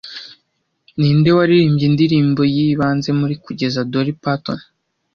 Ninde waririmbye indirimbo yibanze muri kugeza Dolly Parton